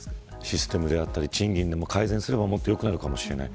システムであったり賃金の改善をすればもっと良くなるかもしれない。